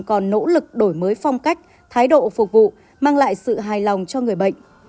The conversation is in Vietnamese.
còn nỗ lực đổi mới phong cách thái độ phục vụ mang lại sự hài lòng cho người bệnh